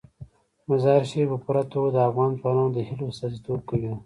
مزارشریف په پوره توګه د افغان ځوانانو د هیلو استازیتوب کوي.